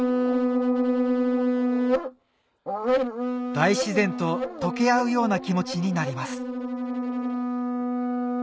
大自然ととけ合うような気持ちになります